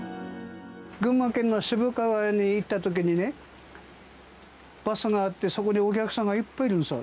群馬県の渋川に行ったときにね、バスがあって、そこにお客さんがいっぱいいるんですよ。